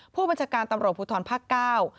ผู้บัญชาการตำรวจภูทรภาคเก้า